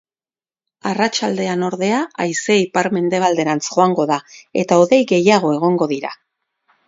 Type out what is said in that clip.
Arratsaldean, ordea, haizea ipar-mendebalderantz joango da eta hodei gehiago egongo dira.